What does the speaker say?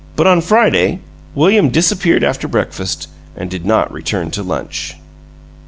But on Friday William disappeared after breakfast and did not return to lunch.